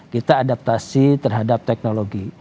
kita adaptasi terhadap teknologi